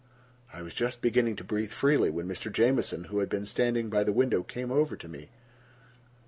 I was just beginning to breathe freely when Mr. Jamieson, who had been standing by the window, came over to me.